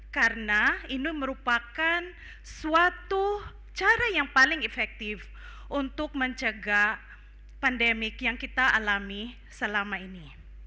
karena ini merupakan suatu cara yang paling efektif untuk mencegah pandemi yang kita alami selama ini